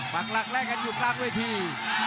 ปากหลักแรกกันอยู่กลางเวที